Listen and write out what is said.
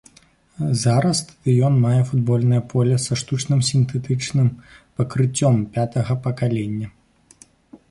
Зараз стадыён мае футбольнае поле са штучным сінтэтычным пакрыццём пятага пакалення.